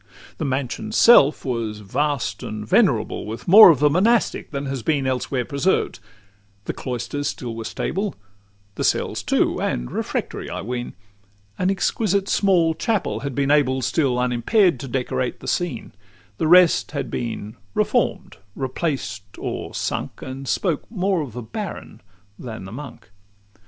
LXVI The mansion's self was vast and venerable, With more of the monastic than has been Elsewhere preserved: the cloisters still were stable, The cells, too, and refectory, I ween: An exquisite small chapel had been able, Still unimpair'd, to decorate the scene; The rest had been reform'd, replaced, or sunk, And spoke more of the baron than the monk.